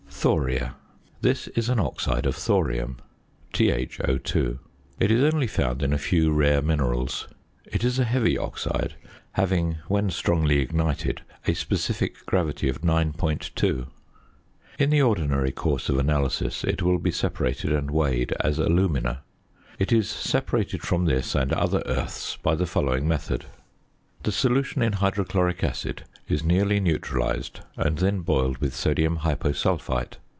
THORIA. This is an oxide of thorium, ThO_. It is only found in a few rare minerals. It is a heavy oxide, having, when strongly ignited, a specific gravity of 9.2. In the ordinary course of analysis it will be separated and weighed as alumina. It is separated from this and other earths by the following method. The solution in hydrochloric acid is nearly neutralised and then boiled with sodium hyposulphite.